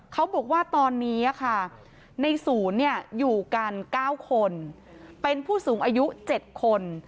เขาบอกว่าตอนนี้ในศูนย์อยู่กัน๙คนเป็นผู้สูงอายุ๗คน